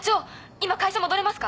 今会社戻れますか？